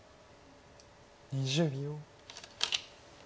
２０秒。